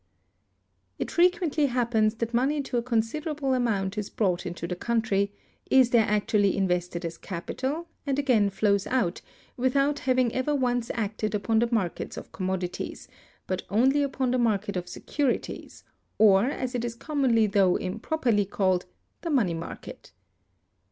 It frequently happens that money to a considerable amount is brought into the country, is there actually invested as capital, and again flows out, without having ever once acted upon the markets of commodities, but only upon the market of securities, or, as it is commonly though improperly called, the money market.